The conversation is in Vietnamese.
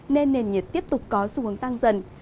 nên nền nhiệt tiếp tục có xu hướng tăng dần